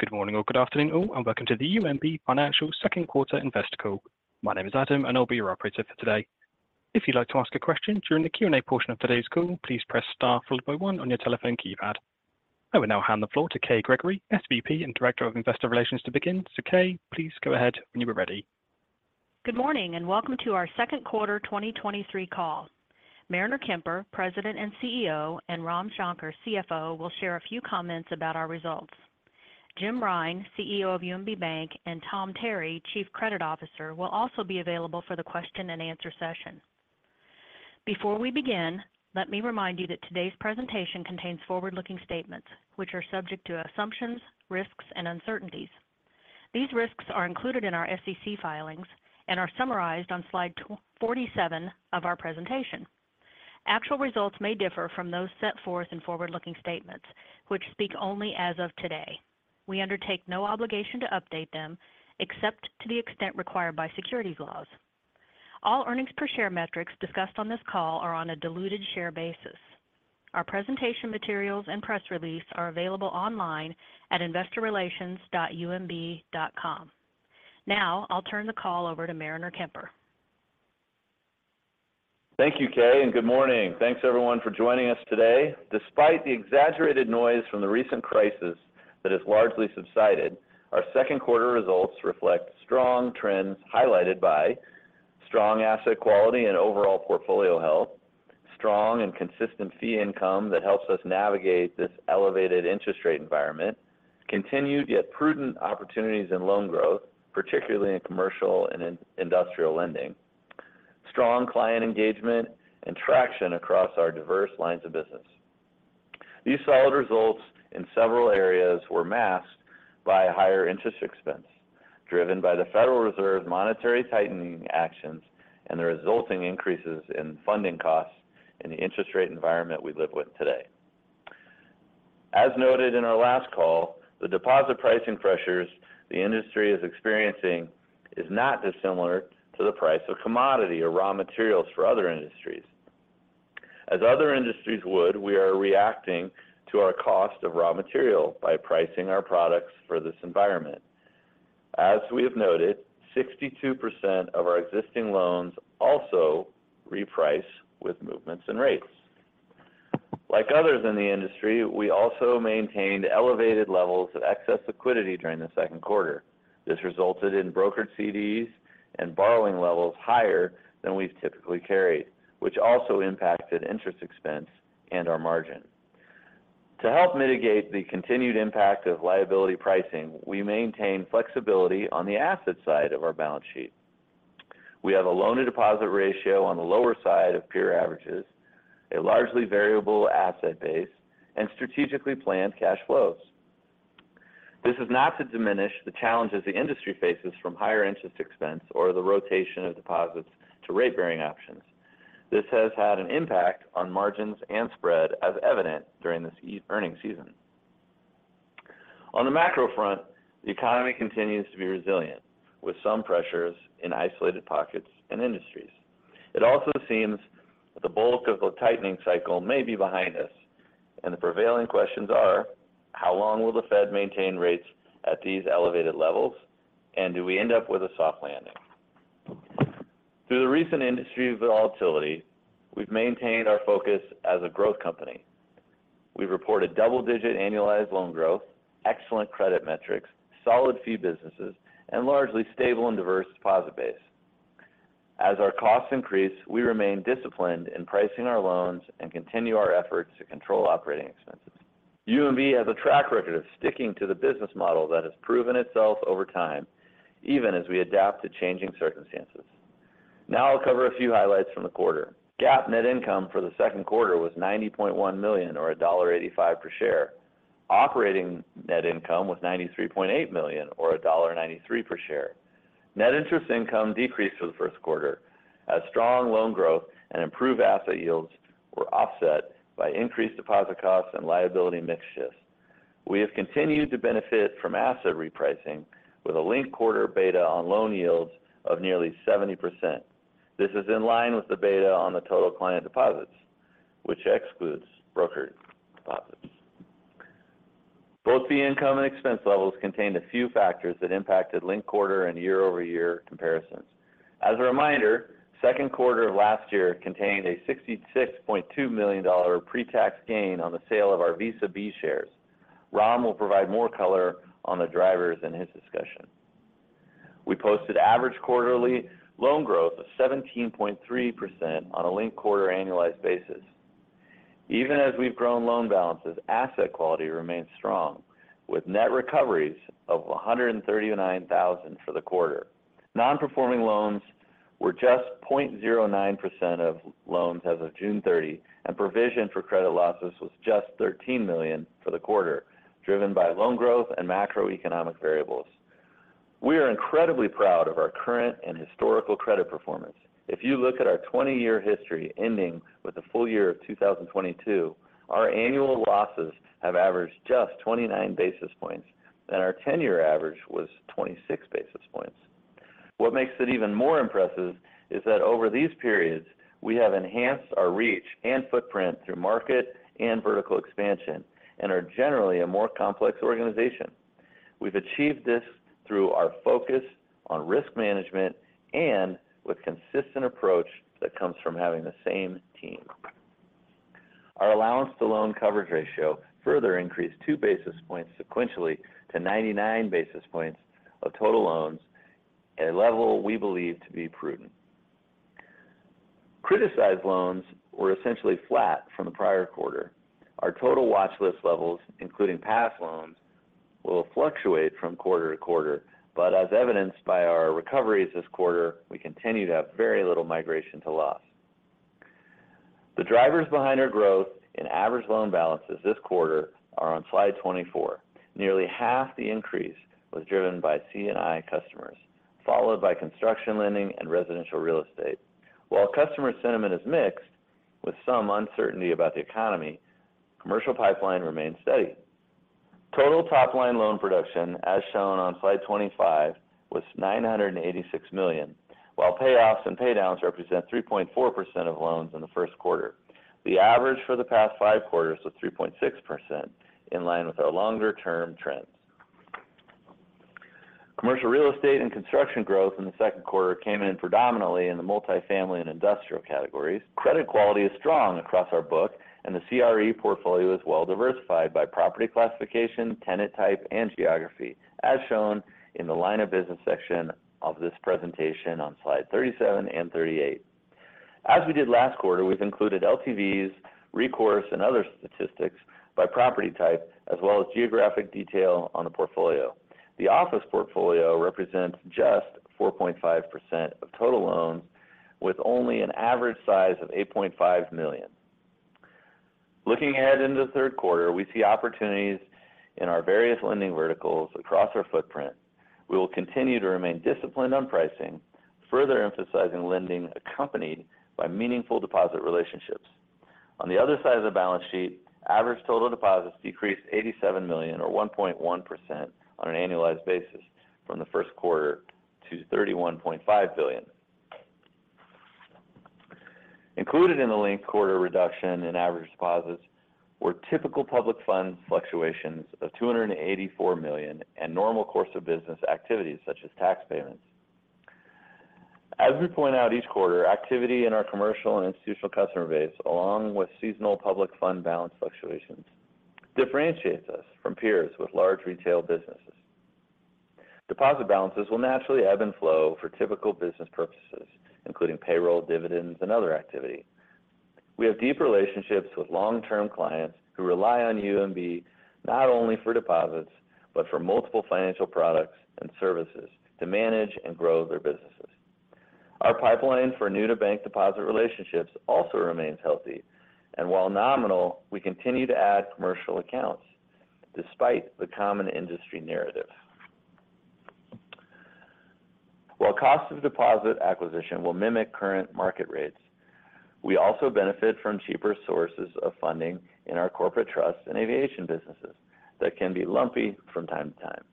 Good morning or good afternoon all, and welcome to the UMB Financial second quarter investor call. My name is Adam, and I'll be your operator for today. If you'd like to ask a question during the Q&A portion of today's call, please press star followed by one on your telephone keypad. I will now hand the floor to Kay Gregory, SVP and Director of Investor Relations, to begin. Kay, please go ahead when you are ready. Good morning, welcome to our second quarter 2023 call. Mariner Kemper, President and CEO, and Ram Shankar, CFO, will share a few comments about our results. Jim Rine, CEO of UMB Bank, and Tom Terry, Chief Credit Officer, will also be available for the Q&A session. Before we begin, let me remind you that today's presentation contains forward-looking statements, which are subject to assumptions, risks, and uncertainties. These risks are included in our SEC filings and are summarized on slide 47 of our presentation. Actual results may differ from those set forth in forward-looking statements, which speak only as of today. We undertake no obligation to update them, except to the extent required by securities laws. All earnings per share metrics discussed on this call are on a diluted share basis. Our presentation materials and press release are available online at investorrelations.umb.com. I'll turn the call over to Mariner Kemper. Thank you, Kay. Good morning. Thanks, everyone, for joining us today. Despite the exaggerated noise from the recent crisis that has largely subsided, our second quarter results reflect strong trends, highlighted by strong asset quality and overall portfolio health, strong and consistent fee income that helps us navigate this elevated interest rate environment, continued yet prudent opportunities in loan growth, particularly in commercial and industrial lending, strong client engagement and traction across our diverse lines of business. These solid results in several areas were masked by a higher interest expense, driven by the Federal Reserve's monetary tightening actions and the resulting increases in funding costs and the interest rate environment we live with today. As noted in our last call, the deposit pricing pressures the industry is experiencing is not dissimilar to the price of commodity or raw materials for other industries. As other industries would, we are reacting to our cost of raw material by pricing our products for this environment. As we have noted, 62% of our existing loans also reprice with movements and rates. Like others in the industry, we also maintained elevated levels of excess liquidity during the second quarter. This resulted in brokered CDs and borrowing levels higher than we've typically carried, which also impacted interest expense and our margin. To help mitigate the continued impact of liability pricing, we maintain flexibility on the asset side of our balance sheet. We have a loan-to-deposit ratio on the lower side of peer averages, a largely variable asset base, and strategically planned cash flows. This is not to diminish the challenges the industry faces from higher interest expense or the rotation of deposits to rate-bearing options. This has had an impact on margins and spread, as evident during this earning season. On the macro front, the economy continues to be resilient, with some pressures in isolated pockets and industries. It also seems that the bulk of the tightening cycle may be behind us. The prevailing questions are: How long will the Fed maintain rates at these elevated levels? Do we end up with a soft landing? Through the recent industry volatility, we've maintained our focus as a growth company. We've reported double-digit annualized loan growth, excellent credit metrics, solid fee businesses, and largely stable and diverse deposit base. As our costs increase, we remain disciplined in pricing our loans and continue our efforts to control operating expenses. UMB has a track record of sticking to the business model that has proven itself over time, even as we adapt to changing circumstances. I'll cover a few highlights from the quarter. GAAP net income for the second quarter was $90.1 million, or $1.85 per share. Operating net income was $93.8 million, or $1.93 per share. Net interest income decreased for the first quarter, as strong loan growth and improved asset yields were offset by increased deposit costs and liability mix shifts. We have continued to benefit from asset repricing with a linked quarter beta on loan yields of nearly 70%. This is in line with the beta on the total client deposits, which excludes brokered deposits. Both the income and expense levels contained a few factors that impacted linked quarter and year-over-year comparisons. As a reminder, second quarter of last year contained a $66.2 million pre-tax gain on the sale of our Visa B shares. Ram will provide more color on the drivers in his discussion. We posted average quarterly loan growth of 17.3% on a linked quarter annualized basis. Even as we've grown loan balances, asset quality remains strong, with net recoveries of $139,000 for the quarter. Non-performing loans were just 0.09% of loans as of June 30, and provision for credit losses was just $13 million for the quarter, driven by loan growth and macroeconomic variables. We are incredibly proud of our current and historical credit performance. If you look at our 20-year history, ending with the full year of 2022, our annual losses have averaged just 29 basis points, and our 10-year average was 26 basis points. What makes it even more impressive is that over these periods, we have enhanced our reach and footprint through market and vertical expansion, and are generally a more complex organization. We've achieved this through our focus on risk management and with consistent approach that comes from having the same team. Our allowance to loan coverage ratio further increased 2 basis points sequentially to 99 basis points of total loans, a level we believe to be prudent. Criticized loans were essentially flat from the prior quarter. Our total watch list levels, including past loans, will fluctuate from quarter to quarter, but as evidenced by our recoveries this quarter, we continue to have very little migration to loss. The drivers behind our growth in average loan balances this quarter are on slide 24. Nearly half the increase was driven by C&I customers, followed by construction lending and residential real estate. While customer sentiment is mixed, with some uncertainty about the economy, commercial pipeline remains steady. Total top line loan production, as shown on slide 25, was $986 million, while payoffs and paydowns represent 3.4% of loans in the first quarter. The average for the past five quarters was 3.6%, in line with our longer-term trends. Commercial real estate and construction growth in the second quarter came in predominantly in the multifamily and industrial categories. Credit quality is strong across our book, and the CRE portfolio is well diversified by property classification, tenant type, and geography, as shown in the line of business section of this presentation on slide 37 and 38. As we did last quarter, we've included LTVs, recourse, and other statistics by property type, as well as geographic detail on the portfolio. The office portfolio represents just 4.5% of total loans, with only an average size of $8.5 million. Looking ahead into the third quarter, we see opportunities in our various lending verticals across our footprint. We will continue to remain disciplined on pricing, further emphasizing lending accompanied by meaningful deposit relationships. On the other side of the balance sheet, average total deposits decreased $87 million, or 1.1% on an annualized basis from the first quarter to $31.5 billion. Included in the linked quarter reduction in average deposits were typical public fund fluctuations of $284 million and normal course of business activities, such as tax payments. As we point out each quarter, activity in our commercial and institutional customer base, along with seasonal public fund balance fluctuations, differentiates us from peers with large retail businesses. Deposit balances will naturally ebb and flow for typical business purposes, including payroll, dividends, and other activity. We have deep relationships with long-term clients who rely on UMB not only for deposits, but for multiple financial products and services to manage and grow their businesses. Our pipeline for new-to-bank deposit relationships also remains healthy, and while nominal, we continue to add commercial accounts despite the common industry narrative. While cost of deposit acquisition will mimic current market rates, we also benefit from cheaper sources of funding in our corporate trust and aviation businesses that can be lumpy from time to time.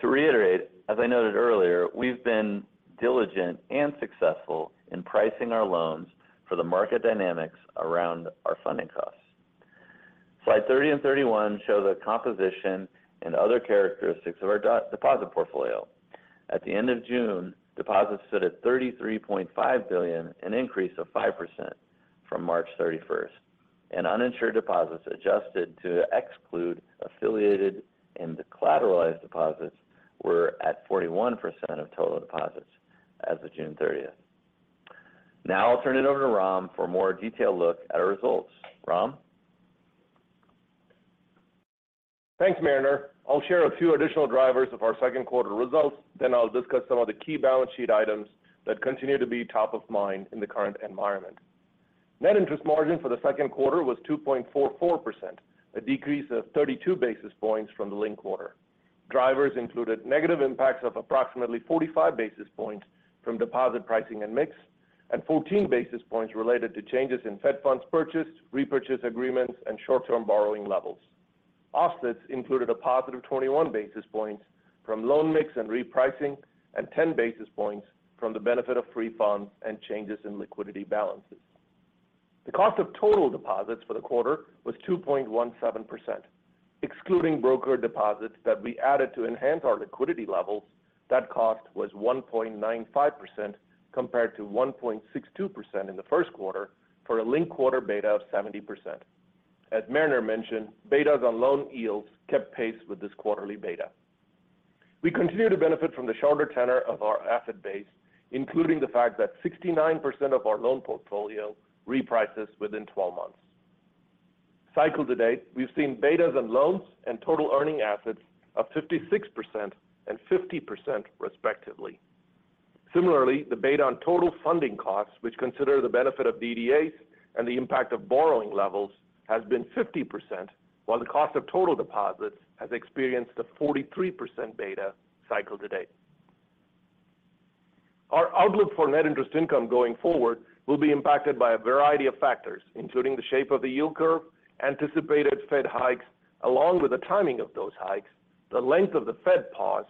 To reiterate, as I noted earlier, we've been diligent and successful in pricing our loans for the market dynamics around our funding costs. Slide 30 and 31 show the composition and other characteristics of our deposit portfolio. At the end of June, deposits stood at $33.5 billion, an increase of 5% from March 31st, and uninsured deposits adjusted to exclude affiliated and collateralized deposits were at 41% of total deposits as of June 30th. Now, I'll turn it over to Ram for a more detailed look at our results. Ram? Thanks, Mariner. I'll share a few additional drivers of our second quarter results, I'll discuss some of the key balance sheet items that continue to be top of mind in the current environment. Net interest margin for the second quarter was 2.44%, a decrease of 32 basis points from the linked quarter. Drivers included negative impacts of approximately 45 basis points from deposit pricing and mix, and 14 basis points related to changes in Fed Funds purchased, repurchase agreements, and short-term borrowing levels. Offsets included a positive 21 basis points from loan mix and repricing, and 10 basis points from the benefit of free funds and changes in liquidity balances. The cost of total deposits for the quarter was 2.17%. Excluding broker deposits that we added to enhance our liquidity levels, that cost was 1.95%, compared to 1.62% in the first quarter for a linked quarter beta of 70%. As Mariner mentioned, betas on loan yields kept pace with this quarterly beta. We continue to benefit from the shorter tenor of our asset base, including the fact that 69% of our loan portfolio reprices within 12 months. Cycle to date, we've seen betas on loans and total earning assets of 56% and 50% respectively. Similarly, the beta on total funding costs, which consider the benefit of DDAs and the impact of borrowing levels, has been 50%, while the cost of total deposits has experienced a 43% beta cycle to date. Our outlook for net interest income going forward will be impacted by a variety of factors, including the shape of the yield curve, anticipated Fed hikes, along with the timing of those hikes, the length of the Fed pause,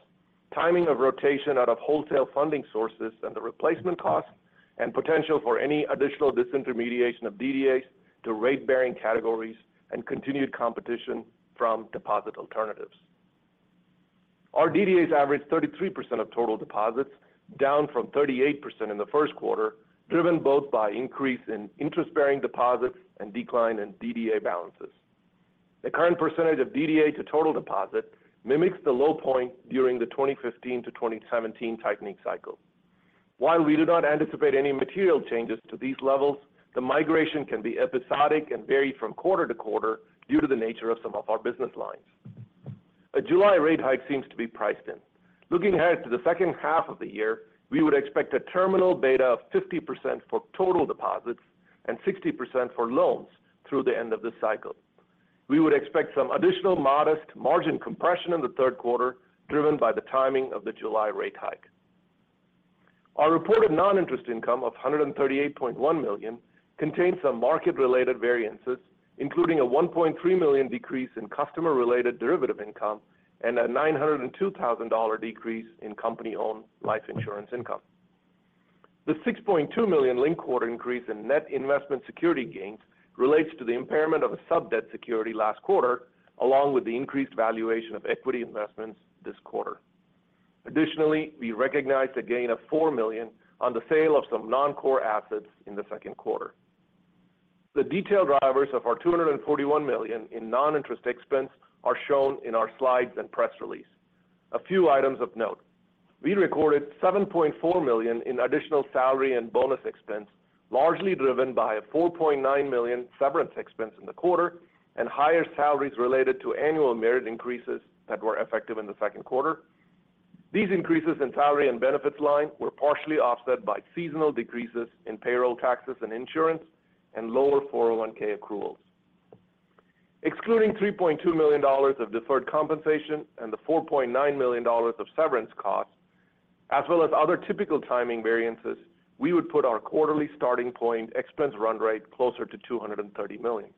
timing of rotation out of wholesale funding sources and the replacement costs, and potential for any additional disintermediation of DDAs to rate-bearing categories and continued competition from deposit alternatives. Our DDAs averaged 33% of total deposits, down from 38% in the first quarter, driven both by increase in interest-bearing deposits and decline in DDA balances. The current percentage of DDA to total deposit mimics the low point during the 2015-2017 tightening cycle. While we do not anticipate any material changes to these levels, the migration can be episodic and vary from quarter to quarter due to the nature of some of our business lines. A July rate hike seems to be priced in. Looking ahead to the second half of the year, we would expect a terminal beta of 50% for total deposits and 60% for loans through the end of this cycle. We would expect some additional modest margin compression in the third quarter, driven by the timing of the July rate hike. Our reported non-interest income of $138.1 million contains some market-related variances, including a $1.3 million decrease in customer-related derivative income and a $902,000 decrease in company-owned life insurance income. The $6.2 million linked quarter increase in net investment security gains relates to the impairment of a sub-debt security last quarter, along with the increased valuation of equity investments this quarter. Additionally, we recognized a gain of $4 million on the sale of some non-core assets in the second quarter. The detailed drivers of our $241 million in non-interest expense are shown in our slides and press release. A few items of note: We recorded $7.4 million in additional salary and bonus expense, largely driven by a $4.9 million severance expense in the quarter and higher salaries related to annual merit increases that were effective in the second quarter. These increases in salary and benefits line were partially offset by seasonal decreases in payroll taxes and insurance and lower 401(k) accruals. Excluding $3.2 million of deferred compensation and the $4.9 million of severance costs, as well as other typical timing variances, we would put our quarterly starting point expense run rate closer to $230 million.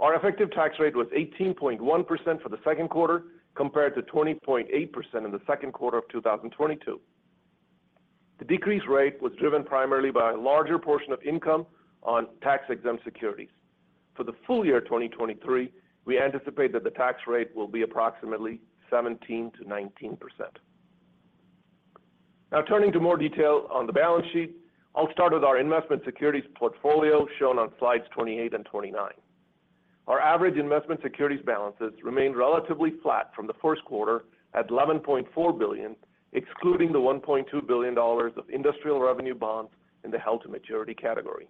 Our effective tax rate was 18.1% for the second quarter, compared to 20.8% in the second quarter of 2022. The decrease rate was driven primarily by a larger portion of income on tax-exempt securities. For the full year 2023, we anticipate that the tax rate will be approximately 17%-19%. Turning to more detail on the balance sheet, I'll start with our investment securities portfolio, shown on slides 28 and 29. Our average investment securities balances remained relatively flat from the first quarter at $11.4 billion, excluding the $1.2 billion of industrial revenue bonds in the held to maturity category.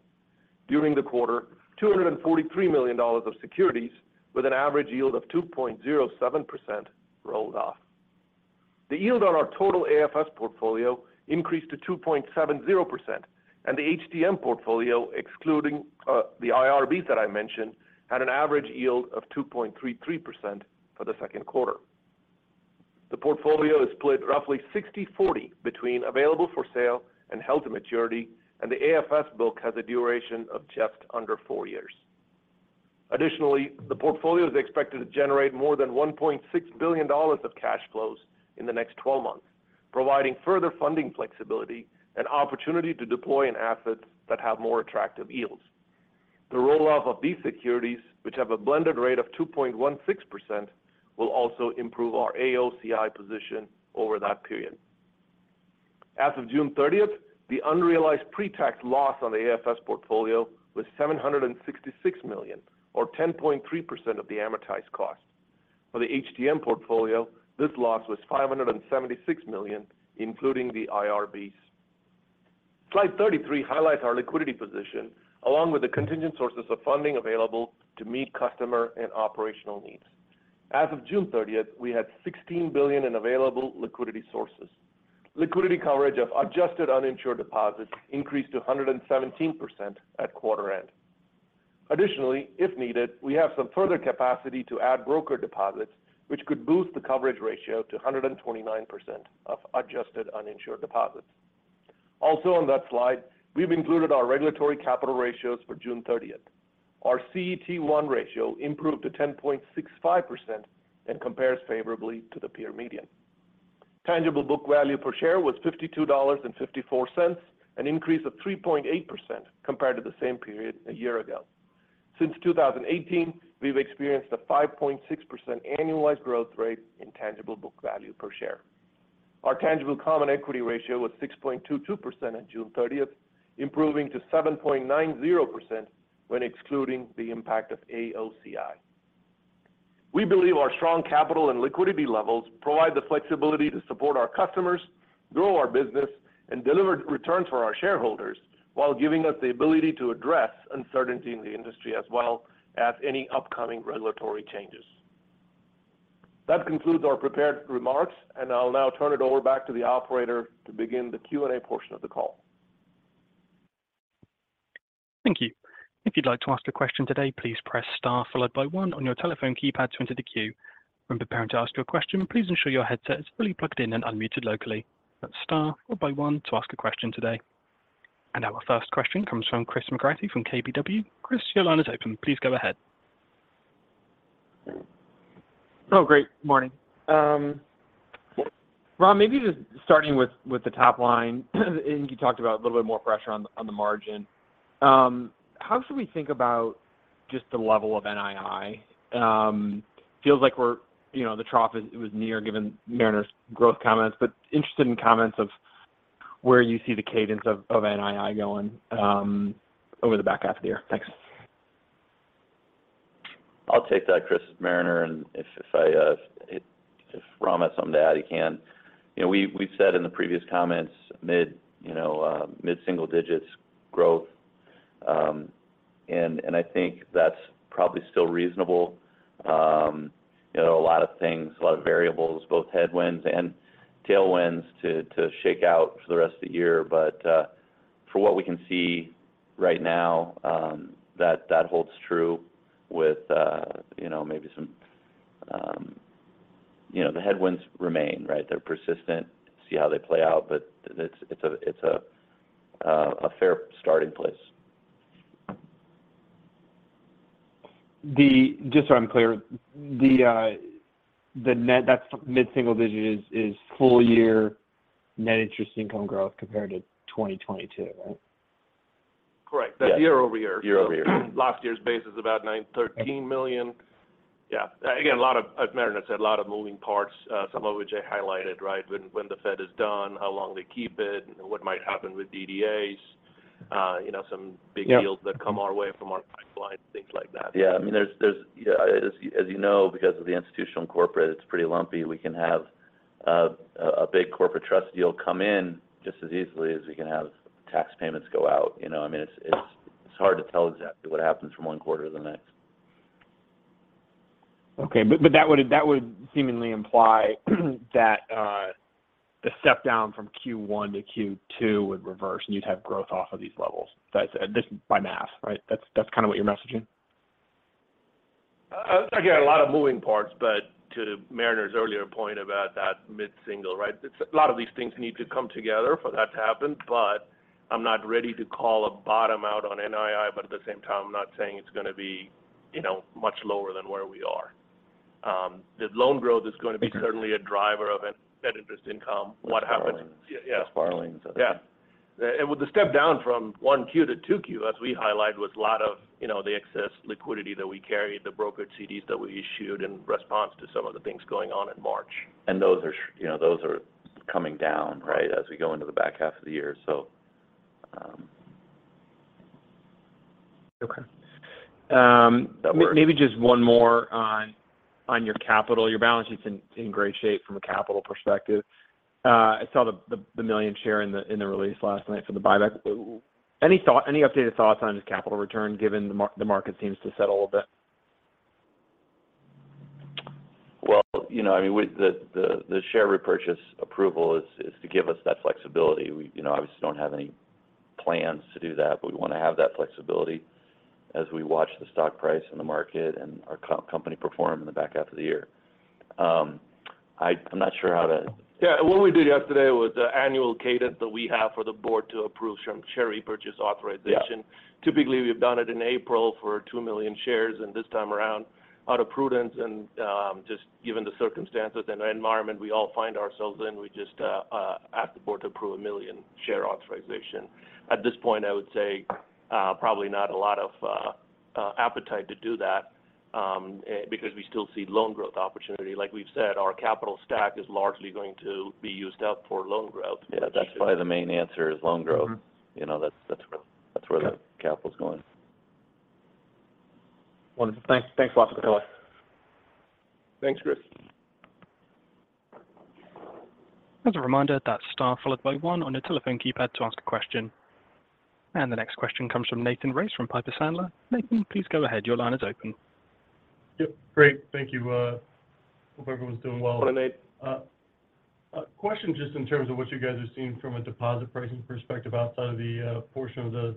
During the quarter, $243 million of securities with an average yield of 2.07% rolled off. The yield on our total AFS portfolio increased to 2.70%, and the HTM portfolio, excluding the IRBs that I mentioned, had an average yield of 2.33% for the second quarter. The portfolio is split roughly 60/40 between available for sale and held to maturity, and the AFS book has a duration of just under four years. Additionally, the portfolio is expected to generate more than $1.6 billion of cash flows in the next 12 months, providing further funding flexibility and opportunity to deploy in assets that have more attractive yields. The roll-off of these securities, which have a blended rate of 2.16%, will also improve our AOCI position over that period. As of June 30th, the unrealized pretax loss on the AFS portfolio was $766 million, or 10.3% of the amortized cost. For the HTM portfolio, this loss was $576 million, including the IRBs. Slide 33 highlights our liquidity position, along with the contingent sources of funding available to meet customer and operational needs. As of June 30th, we had $16 billion in available liquidity sources. Liquidity coverage of adjusted uninsured deposits increased to 117% at quarter end. Additionally, if needed, we have some further capacity to add broker deposits, which could boost the coverage ratio to 129% of adjusted uninsured deposits. Also on that slide, we've included our regulatory capital ratios for June 30th. Our CET1 ratio improved to 10.65% and compares favorably to the peer median. Tangible book value per share was $52.54, an increase of 3.8% compared to the same period a year ago. Since 2018, we've experienced a 5.6% annualized growth rate in tangible book value per share. Our tangible common equity ratio was 6.22% on June 30th, improving to 7.90% when excluding the impact of AOCI. We believe our strong capital and liquidity levels provide the flexibility to support our customers, grow our business, and deliver returns for our shareholders, while giving us the ability to address uncertainty in the industry, as well as any upcoming regulatory changes. That concludes our prepared remarks, and I'll now turn it over back to the operator to begin the Q&A portion of the call. Thank you. If you'd like to ask a question today, please press star followed by one on your telephone keypad to enter the queue. When preparing to ask your question, please ensure your headset is fully plugged in and unmuted locally. Press star followed by one to ask a question today. Our first question comes from Chris McGratty from KBW. Chris, your line is open. Please go ahead. Oh, great morning. Ram, maybe just starting with the top line, and you talked about a little bit more pressure on the margin. How should we think about just the level of NII? Feels like we're, you know, the trough was near, given Mariner's growth comments, but interested in comments of where you see the cadence of NII going over the back half of the year. Thanks. I'll take that, Chris, Mariner, and if Ram has something to add, he can. You know, we said in the previous comments, mid single digits growth. I think that's probably still reasonable. You know, a lot of things, a lot of variables, both headwinds and tailwinds, to shake out for the rest of the year. For what we can see right now, that holds true with, you know, maybe some... You know, the headwinds remain, right? They're persistent. See how they play out, but it's a fair starting place. Just so I'm clear, that's mid-single digit is full year net interest income growth compared to 2022, right? Correct. Yes. That year-over-year. Year-over-year. Last year's base is about $13 million. Yeah. Again, a lot of, as Mariner said, a lot of moving parts, some of which I highlighted, right? When the Fed is done, how long they keep it, and what might happen with DDAs. You know. Yeah deals that come our way from our pipeline, things like that. Yeah. I mean, there's, yeah, as you know, because of the institutional and corporate, it's pretty lumpy. We can have a big corporate trust deal come in just as easily as we can have tax payments go out. You know, I mean, it's hard to tell exactly what happens from one quarter to the next. Okay. That would seemingly imply, that the step down from Q1 to Q2 would reverse, and you'd have growth off of these levels. That's, just by math, right? That's kind of what you're messaging? Again, a lot of moving parts. To Mariner's earlier point about that mid-single, right? A lot of these things need to come together for that to happen. I'm not ready to call a bottom out on NII. At the same time, I'm not saying it's going to be, you know, much lower than where we are. The loan growth is going to be certainly a driver of it, that interest income, what happens. Less borrowings. Yeah. Less borrowings. Yeah. With the step down from 1Q to 2Q, as we highlighted, was a lot of, you know, the excess liquidity that we carried, the brokered CDs that we issued in response to some of the things going on in March. Those are you know, those are coming down. Right... as we go into the back half of the year. Okay. We're- Maybe just one more on your capital. Your balance sheet's in great shape from a capital perspective. I saw the 1 million share in the release last night for the buyback. Any thought, any updated thoughts on just capital return, given the market seems to settle a bit? Well, you know, I mean, the share repurchase approval is to give us that flexibility. We, you know, obviously don't have any plans to do that, but we want to have that flexibility as we watch the stock price in the market and our company perform in the back half of the year. I'm not sure how to. What we did yesterday was the annual cadence that we have for the Board to approve some share repurchase authorization. Yeah. Typically, we've done it in April for 2 million shares. This time around, out of prudence and, just given the circumstances and the environment we all find ourselves in, we just asked the Board to approve a 1 million share authorization. At this point, I would say, probably not a lot of appetite to do that, because we still see loan growth opportunity. Like we've said, our capital stack is largely going to be used up for loan growth. Yeah, that's probably the main answer, is loan growth. Mm-hmm. You know, that's. Okay... capital is going. Wonderful. Thanks. Thanks a lot for the delay. Thanks, Chris. As a reminder, that's star followed by one on your telephone keypad to ask a question. The next question comes from Nathan Race, from Piper Sandler. Nathan, please go ahead. Your line is open. Yep. Great. Thank you. Hope everyone's doing well. Good morning, Nate. A question just in terms of what you guys are seeing from a deposit pricing perspective outside of the portion of the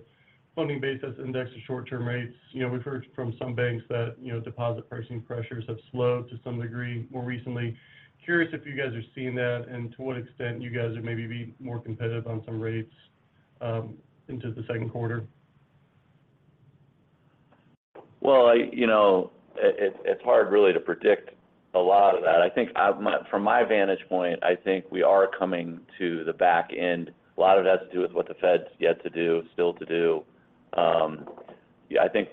funding basis index to short-term rates. You know, we've heard from some banks that, you know, deposit pricing pressures have slowed to some degree more recently. Curious if you guys are seeing that, and to what extent you guys would maybe be more competitive on some rates into the second quarter? I, you know, it's hard really to predict a lot of that. I think, from my vantage point, I think we are coming to the back end. A lot of it has to do with what the Fed's yet to do, still to do. I think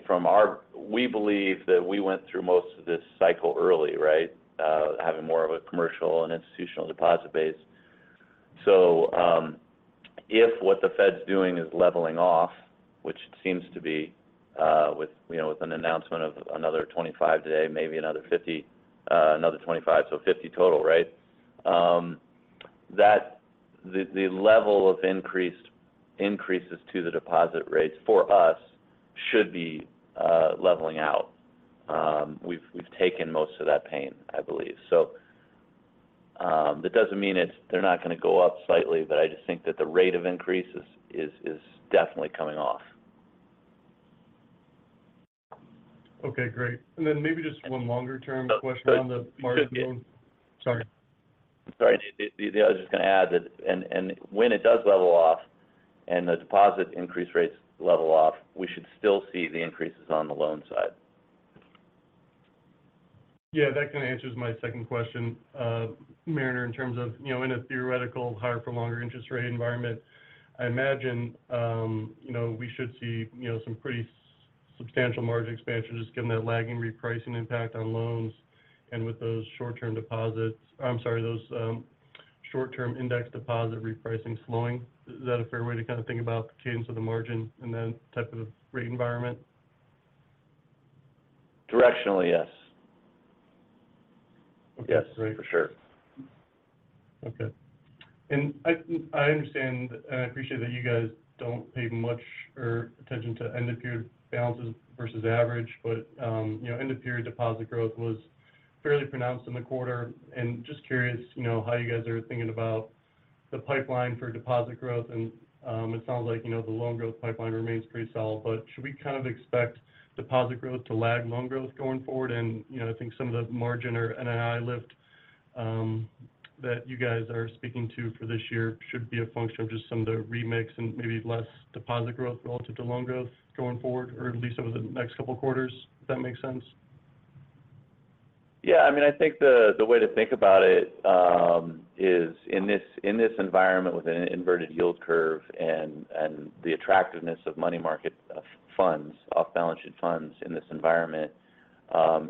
we believe that we went through most of this cycle early, right? Having more of a commercial and institutional deposit base. If what the Fed's doing is leveling off, which it seems to be, with, you know, with an announcement of another 25 today, maybe another 50, another 25, so 50 total, right? That the level of increases to the deposit rates for us should be leveling out. We've taken most of that pain, I believe. That doesn't mean they're not going to go up slightly, I just think that the rate of increase is definitely coming off. Okay, great. Then maybe just one longer-term question on the margin. You should. Sorry. Sorry, the, I was just going to add that, and when it does level off and the deposit increase rates level off, we should still see the increases on the loan side. Yeah, that kind of answers my second question, Mariner, in terms of, you know, in a theoretical higher for longer interest rate environment, I imagine, you know, we should see, you know, some pretty substantial margin expansion just given that lagging repricing impact on loans and with those short-term deposits, I'm sorry, those, short-term index deposit repricing slowing. Is that a fair way to kind of think about the cadence of the margin in that type of rate environment? Directionally, yes. Yes, for sure. I understand, and I appreciate that you guys don't pay much or attention to end-of-period balances versus average, but, you know, end-of-period deposit growth was fairly pronounced in the quarter. Just curious, you know, how you guys are thinking about the pipeline for deposit growth and, it sounds like, you know, the loan growth pipeline remains pretty solid. Should we kind of expect deposit growth to lag loan growth going forward? You know, I think some of the margin or NII lift that you guys are speaking to for this year should be a function of just some of the remakes and maybe less deposit growth relative to loan growth going forward, or at least over the next couple of quarters, if that makes sense. Yeah, I mean, I think the way to think about it, is in this environment with an inverted yield curve and the attractiveness of money market funds, off-balance sheet funds in this environment,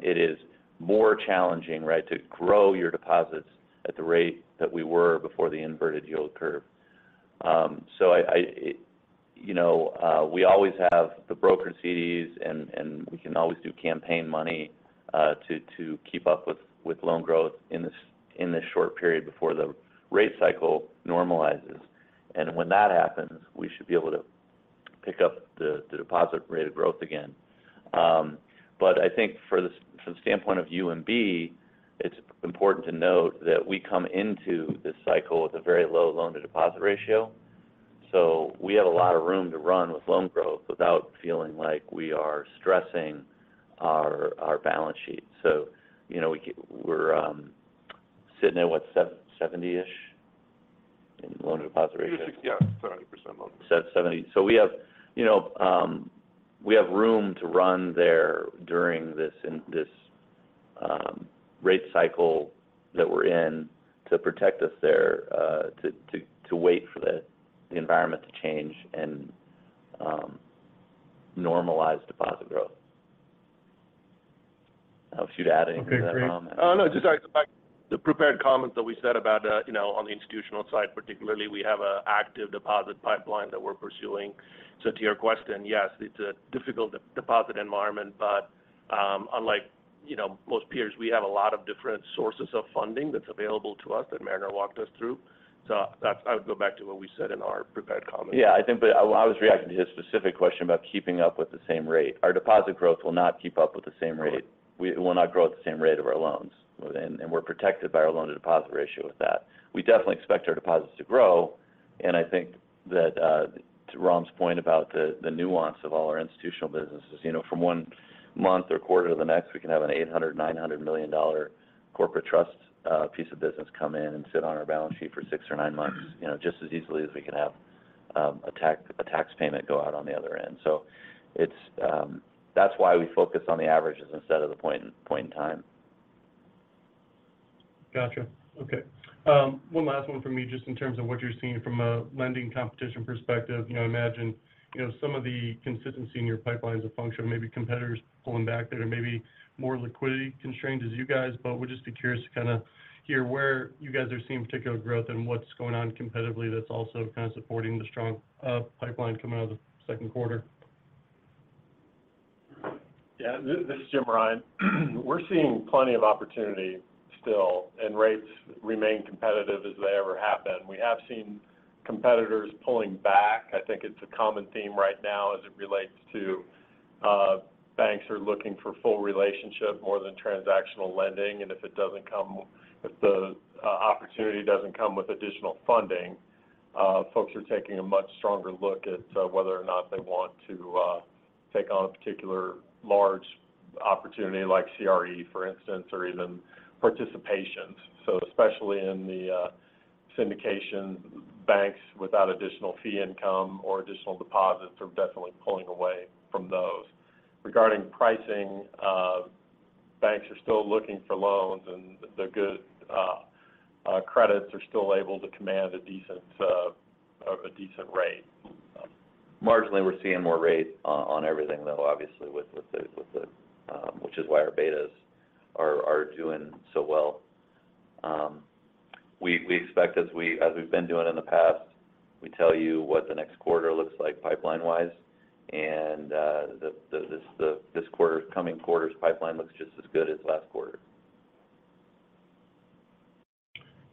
it is more challenging, right, to grow your deposits at the rate that we were before the inverted yield curve. I, you know, we always have the brokered CDs and we can always do campaign money to keep up with loan growth in this short period before the rate cycle normalizes. When that happens, we should be able to pick up the deposit rate of growth again. I think for this, from the standpoint of UMB, it's important to note that we come into this cycle with a very low loan-to-deposit ratio. We have a lot of room to run with loan growth without feeling like we are stressing our balance sheet. You know, we're sitting at what, 70-ish in loan-to-deposit ratio? Yeah, 30% loan. 7.70. We have, you know, we have room to run there during this rate cycle that we're in to protect us there, to wait for the environment to change and normalize deposit growth. I don't know if you'd add anything to that, Ram. Okay, great. Oh, no, sorry. The prepared comments that we said about, you know, on the institutional side, particularly, we have an active deposit pipeline that we're pursuing. To your question, yes, it's a difficult deposit environment, but, unlike, you know, most peers, we have a lot of different sources of funding that's available to us that Mariner walked us through. I would go back to what we said in our prepared comments. Yeah, I think, but I was reacting to his specific question about keeping up with the same rate. Our deposit growth will not keep up with the same rate. Correct. It will not grow at the same rate of our loans, and we're protected by our loan-to-deposit ratio with that. We definitely expect our deposits to grow, and I think that, to Ram's point about the nuance of all our institutional businesses, you know, from one month or quarter to the next, we can have an $800 million-$900 million corporate trust piece of business come in and sit on our balance sheet for six or nine months, you know, just as easily as we can have a tax payment go out on the other end. It's why we focus on the averages instead of the point in time. Gotcha. Okay. One last one from me, just in terms of what you're seeing from a lending competition perspective. You know, I imagine, you know, some of the consistency in your pipeline is a function of maybe competitors pulling back that are maybe more liquidity-constrained as you guys. We're just curious to kind of hear where you guys are seeing particular growth and what's going on competitively that's also kind of supporting the strong pipeline coming out of the second quarter. This is Jim Rine. We're seeing plenty of opportunity still, and rates remain competitive as they ever have been. We have seen competitors pulling back. I think it's a common theme right now as it relates to, banks are looking for full relationship more than transactional lending, and if the opportunity doesn't come with additional funding, folks are taking a much stronger look at whether or not they want to take on a particular large opportunity like CRE, for instance, or even participation. Especially in the syndication banks without additional fee income or additional deposits are definitely pulling away from those. Regarding pricing, banks are still looking for loans, and the good credits are still able to command a decent, a decent rate. Marginally, we're seeing more rates on everything, though, obviously, with the, with the, which is why our betas are doing so well. We expect as we've been doing in the past, we tell you what the next quarter looks like pipeline-wise, and the coming quarter's pipeline looks just as good as last quarter.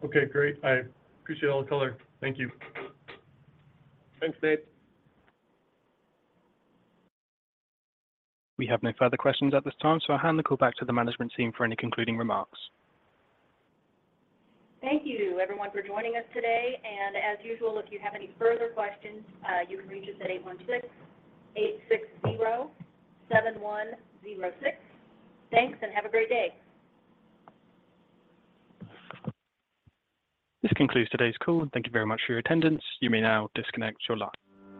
Okay, great. I appreciate all the color. Thank you. Thanks, Nate. We have no further questions at this time. I'll hand the call back to the management team for any concluding remarks. Thank you, everyone, for joining us today. As usual, if you have any further questions, you can reach us at 816-860-7106. Thanks. Have a great day. This concludes today's call, and thank you very much for your attendance. You may now disconnect your line.